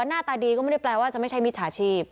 หน้าตาดีก็ไม่ได้แปลว่าจะไม่ใช่มิจฉาชีพ